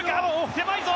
狭いぞ。